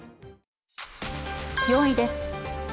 ４位です。